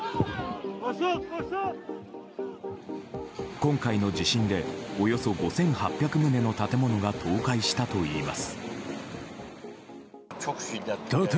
今回の地震でおよそ５８００棟もの建物が倒壊したといいます。